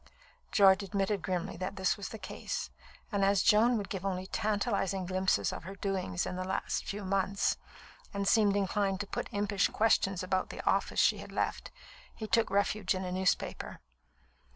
George admitted grimly that this was the case, and as Joan would give only tantalising glimpses of her doings in the last few months, and seemed inclined to put impish questions about the office she had left, he took refuge in a newspaper.